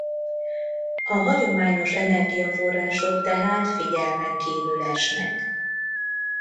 A hagyományos energiaforrások tehát figyelmen kívül esnek.